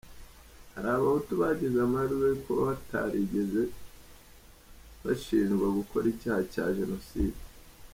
Hari abahutu bagize amahirwe yo kuba batarigeze bashinjwa gukora icyaha cya jenoside